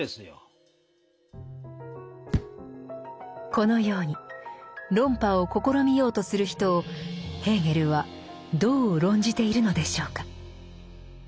このように論破を試みようとする人をヘーゲルはどう論じているのでしょうか。